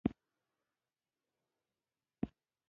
پاس منزل ته جګېدل په لېفټ کې اسان وي، نظر پلي تګ ته.